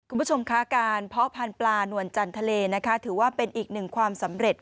คุณผู้ชมคะการเพาะพันธุ์ปลานวลจันทะเลนะคะถือว่าเป็นอีกหนึ่งความสำเร็จ